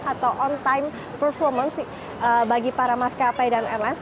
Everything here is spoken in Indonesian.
atau on time performance bagi para maskapai dan airlines